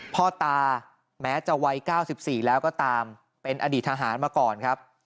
พ่อตาแม้จะวัย๙๔แล้วก็ตามเป็นอดีตทหารมาก่อนครับ